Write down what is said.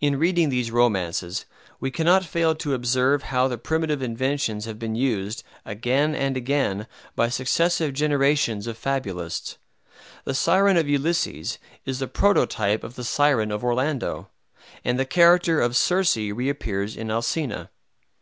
In reading these romances, we cannot fail to observe how the primitive inventions have been used, again and again, by successive generations of fabulists. The Siren of Ulysses is the prototype of the Siren of Orlando, and the character of Circe reappears in Alcina.